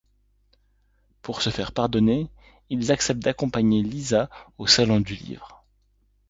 Pour se faire pardonner ils acceptent d'accompagner Lisa au Salon du Livre.